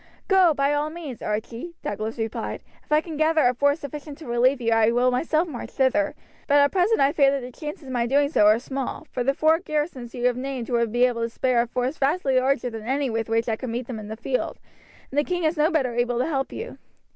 "Go, by all means, Archie," Douglas replied. "If I can gather a force sufficient to relieve you I will myself march thither; but at present I fear that the chances of my doing so are small, for the four garrisons you have named would be able to spare a force vastly larger than any with which I could meet them in the field, and the king is no better able to help you."